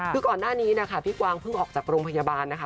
คือก่อนหน้านี้นะคะพี่กวางเพิ่งออกจากโรงพยาบาลนะคะ